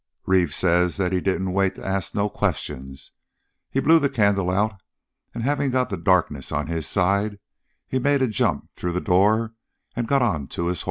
"Reeve says that he didn't wait to ask no questions. He blew the candle out, and having got the darkness on his side, he made a jump through the door and got onto his hoss.